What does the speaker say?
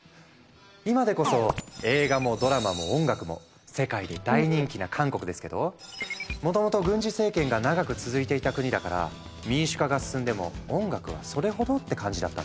今でこそ映画もドラマも音楽も世界で大人気な韓国ですけどもともと軍事政権が長く続いていた国だから民主化が進んでも音楽は「それほど」って感じだったんですよ。